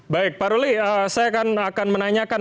baik pak ruli saya akan menanyakan